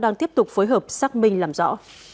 đang tiếp tục phối hợp xác minh làm rõ